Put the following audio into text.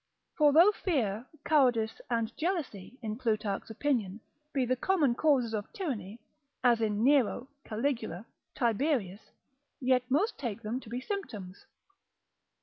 For though fear, cowardice, and jealousy, in Plutarch's opinion, be the common causes of tyranny, as in Nero, Caligula, Tiberius, yet most take them to be symptoms.